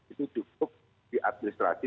itu cukup di administrasi